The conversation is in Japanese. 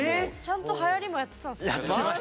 ⁉ちゃんとはやりもやってたんですね。